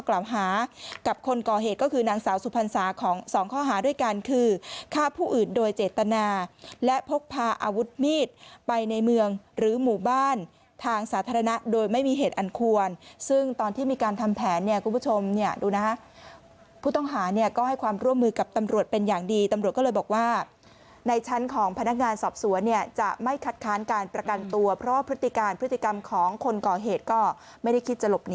และพกพาอาวุธมีดไปในเมืองหรือหมู่บ้านทางสาธารณะโดยไม่มีเหตุอันควรซึ่งตอนที่มีการทำแผนเนี่ยคุณผู้ชมเนี่ยดูนะครับผู้ต้องหาเนี่ยก็ให้ความร่วมมือกับตำรวจเป็นอย่างดีตำรวจก็เลยบอกว่าในชั้นของพนักงานสอบสวนเนี่ยจะไม่คัดค้านการประกันตัวเพราะว่าพฤติการพฤติกรรมของคนก่